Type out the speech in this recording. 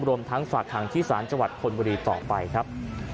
รวมทั้งฝากหางที่ศาลจังหวัดธนบุรีต่อไปครับ